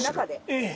ええ。